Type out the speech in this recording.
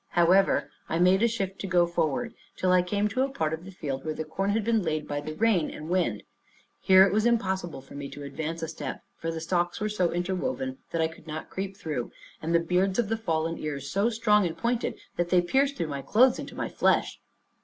However, I made a shift to go forward, till I came to a part of the field where the corn had been laid by the rain and wind. Here it was impossible for me to advance a step; for the stalks were so interwoven, that I could not creep through, and the beards of the fallen ears so strong and pointed, that they pierced through my clothes into my flesh.